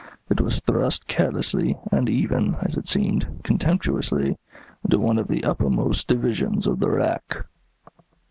It was thrust carelessly, and even, as it seemed, contemptuously, into one of the uppermost divisions of the rack.